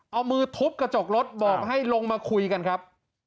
เอามือทุบกระจกรถบอกให้ลงมาคุยกันครับ